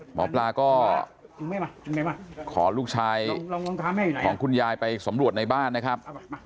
หมอปลาก็ขอลูกชายของคุณยายไปสำรวจในบ้านนะครับ